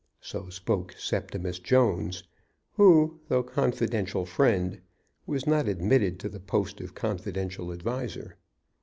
So spoke Septimus Jones, who, though confidential friend, was not admitted to the post of confidential adviser.